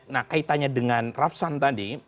nah kaitannya dengan rafsan tadi